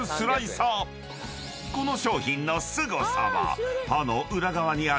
［この商品のすごさは］